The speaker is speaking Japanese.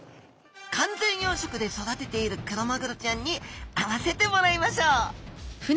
完全養殖で育てているクロマグロちゃんに会わせてもらいましょう。